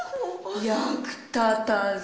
役立たず。